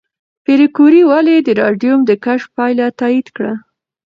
پېیر کوري ولې د راډیوم د کشف پایله تایید کړه؟